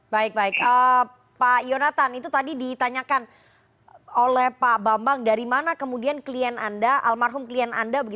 baik baik pak yonatan itu tadi ditanyakan oleh pak bambang dari mana kemudian klien anda almarhum klien anda